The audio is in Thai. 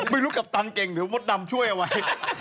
ไม่รู้กัปตันเก่งเดี๋ยวมดดำช่วยเอาไว้